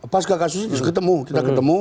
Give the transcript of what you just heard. pasca kasus ini sudah ketemu